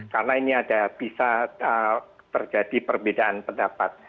karena ini ada bisa terjadi perbedaan pendapat